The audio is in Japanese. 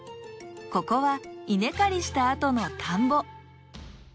ここは稲刈りしたあとの田んぼ。